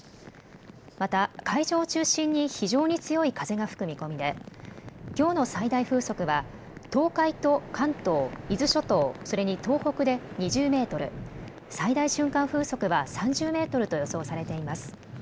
また海上を中心に非常に強い風が吹く見込みできょうの最大風速は東海と関東、伊豆諸島、それに東北で２０メートル、最大瞬間風速は３０メートルと予想されています。